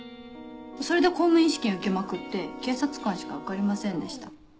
それで公務員試験受けまくって警察官しか受かりませんでした。